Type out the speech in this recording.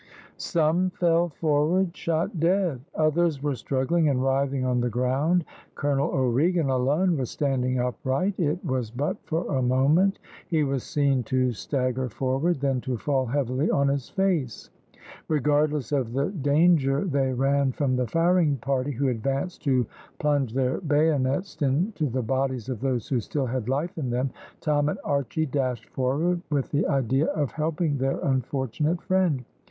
Some fell forward, shot dead; others were struggling and writhing on the ground; Colonel O'Regan alone was standing upright. It was but for a moment; he was seen to stagger forward, then to fall heavily on his face. Regardless of the danger they ran from the firing party, who advanced to plunge their bayonets into the bodies of those who still had life in them, Tom and Archy dashed forward with the idea of helping their unfortunate friend.